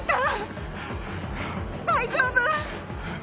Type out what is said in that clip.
大丈夫？